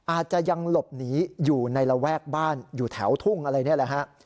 อาจจะยังหลบหนีอยู่ในระแวกบ้านอยู่แถวทุ่งอะไรนี่แหละฮะ